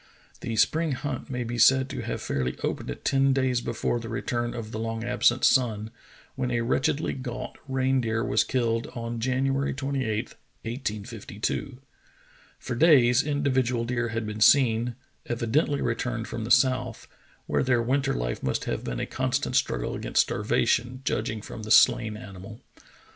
The spring hunt may be said to have fairly opened ten days before the return of the long absent sun, when a wretchedly gaunt reindeer was killed on January 28, 1852. For days individual deer had been seen, evi dently returned from the south, where their winter life must have been a constant struggle against starvation, judging from the slain animal.